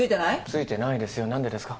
ついてないですよ何でですか？